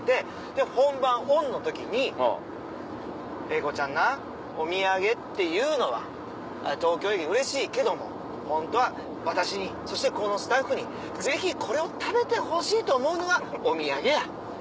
で本番オンの時に「英孝ちゃんなお土産っていうのは東京駅うれしいけどもホントは私にそしてここのスタッフにぜひこれを食べてほしいと思うのがお土産や。